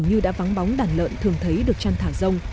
hình như đã vắng bóng đàn lợn thường thấy được trăn thả rông